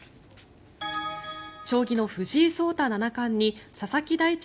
将棋の藤井聡太七冠に佐々木大地